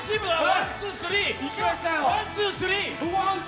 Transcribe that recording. ワン・ツー・スリー！